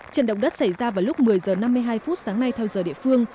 trận động đất xảy ra vào lúc một mươi h năm mươi hai phút sáng nay theo giờ địa phương